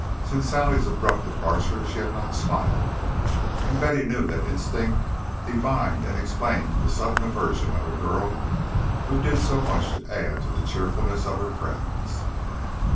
Since Sally's abrupt departure she had not smiled, and Betty knew that instinct divined and explained the sudden aversion of a girl who did so much to add to the cheerfulness of her friends.